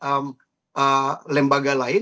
karena mungkin kebutuhan daripada lembaga lain